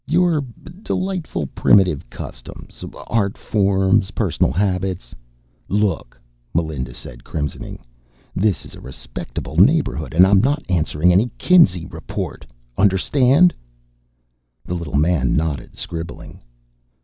"Your delightful primitive customs, art forms, personal habits " "Look," Melinda said, crimsoning. "This is a respectable neighborhood, and I'm not answering any Kinsey report, understand?" The little man nodded, scribbling.